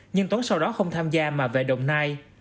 nhưng tuấn sau đó không tham gia mà về đồng nai